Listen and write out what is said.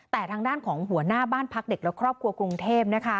แต่ทางด้านของหัวหน้าบ้านพักเด็กและครอบครัวกรุงเทพ